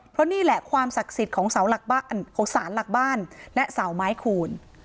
เพราะนี่แหละความศักดิ์สิทธิ์ของสารหลักบ้านและเสาไม้คูณ